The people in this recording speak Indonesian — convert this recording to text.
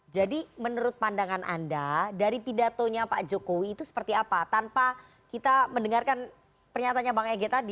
jadi menurut pandangan anda dari pidatonya pak jokowi itu seperti apa tanpa kita mendengarkan pernyatanya bang egy tadi